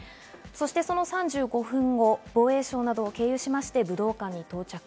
その３５分後、防衛省など経由して武道館に到着。